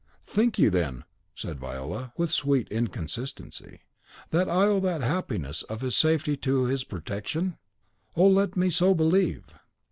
"Think you, then," said Viola, with sweet inconsistency, "that I owe that happiness and safety to his protection? Oh, let me so believe!